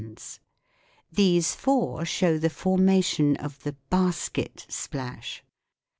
These four show the formation of the "basket" splash.